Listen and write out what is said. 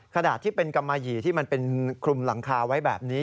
ขนาดที่เป็นกำมาหยี่ที่มันเป็นคลุมหลังคาไว้แบบนี้